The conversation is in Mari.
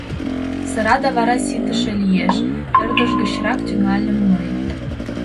— Сырада вара ситыше лиеш? — ӧрдыж гычрак тӱҥальым мый.